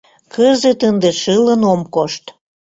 Кызыт ынде шылын ом кошт.